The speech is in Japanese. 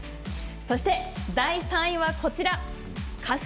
そして第３位は、こちらです。